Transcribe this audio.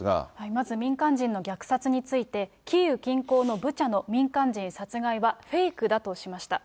まず民間人の虐殺について、キーウ近郊のブチャの民間人殺害はフェイクだとしました。